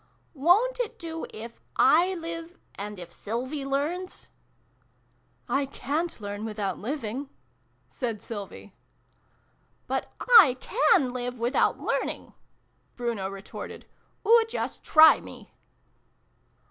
" Wo' n't it do, if / live, and if Sylvie learns ?"" I cant learn without living !" said Sylvie. "But I can live without learning!" Bruno retorted. " Oo just try me